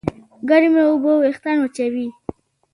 ګرمې اوبه وېښتيان وچوي.